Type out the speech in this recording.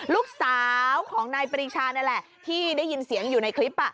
ลูกสาวของนายปรีชานั่นแหละที่ได้ยินเสียงอยู่ในคลิป